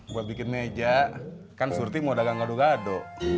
buat bikin meja kan surti mau dagang gado gado